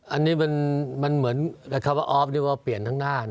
อันนี้มันเหมือนคำว่าออฟเรียกว่าเปลี่ยนทั้งหน้า